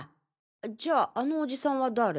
じゃああのおじさんは誰？